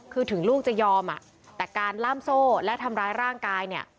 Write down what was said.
คือถึงลูกจะยอมแต่การล่ามโซ่และทำร้ายร่างกายเนี่ย